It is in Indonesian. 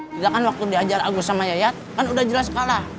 sedangkan waktu diajar agus sama yayat kan udah jelas kalah